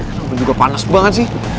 tapi juga panas banget sih